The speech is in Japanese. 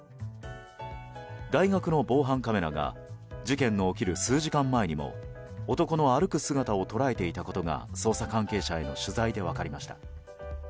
大学の防犯カメラが事件の起きる数時間前にも男の歩く姿を捉えていたことが捜査関係者への取材で分かりました。